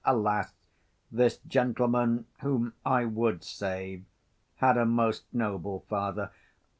Alas, this gentleman, Whom I would save, had a most noble father!